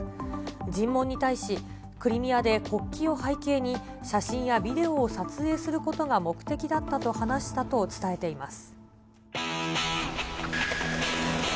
尋問に対し、クリミアで国旗を背景に写真やビデオを撮影することが目的だったと話したと伝えています。